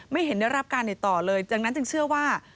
ไม่เห็นระบการณ์ต่อเลยจากนั้นจึงเชื่อว่า